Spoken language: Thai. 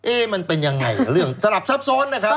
มันเป็นยังไงเรื่องสลับซับซ้อนนะครับ